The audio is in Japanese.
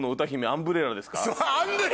アンブレラ。